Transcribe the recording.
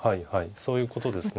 そういうことですね。